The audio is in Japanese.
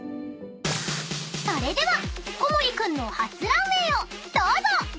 ［それでは小森君の初ランウェイをどうぞ］